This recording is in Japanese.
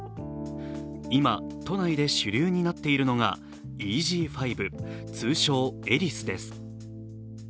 今、都内で主流になっているのが、ＥＧ．５、通称・エリスです。